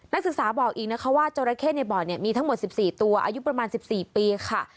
นักศึกษาบอกอีกนะคะว่าจราเข้ในบ่อมีทั้งหมด๑๔ตัวอายุประมาณ๑๔ปีค่ะ